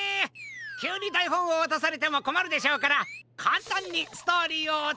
きゅうにだいほんをわたされてもこまるでしょうからかんたんにストーリーをおつたえします。